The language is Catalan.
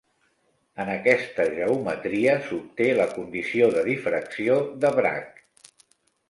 En aquesta geometria s'obté la condició de difracció de Bragg.